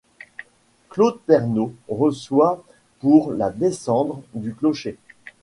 Claude Pernot reçoit pour la descendre du clocher.